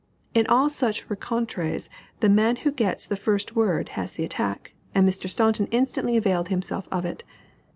In all such rencontres the man who gets the first word has the attack, and Mr. Staunton instantly availed himself of it.